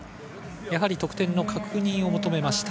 やはり得点の確認を求めました。